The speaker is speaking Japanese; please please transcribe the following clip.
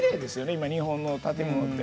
今日本の建物って。